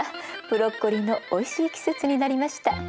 ブロッコリーのおいしい季節になりました。